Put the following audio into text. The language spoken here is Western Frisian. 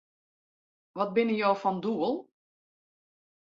Wat binne jo fan doel?